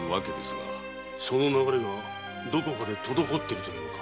その流れがどこかで滞っているというのか？